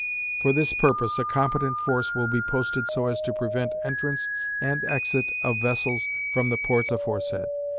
For this purpose a competent force will be posted so as to prevent entrance and exit of vessels from the ports aforesaid.